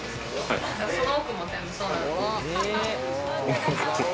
その奥も全部そうなんです。